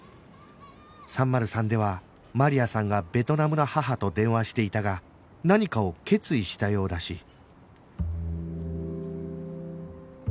３０３ではマリアさんがベトナムの母と電話していたが何かを決意したようだし